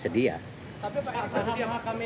ceritanya di tempat tempat